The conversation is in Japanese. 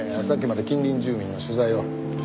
さっきまで近隣住民の取材を。